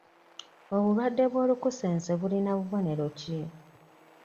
Obulwadde bw'olukusense bulina bubonero ki?